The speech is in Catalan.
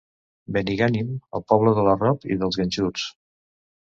Benigànim, el poble de l'arrop i dels ganxuts.